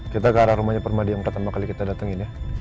kita ke arah rumahnya permadi yang pertama kali kita datengin ya